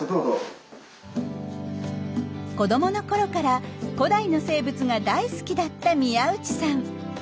子どものころから古代の生物が大好きだった宮内さん。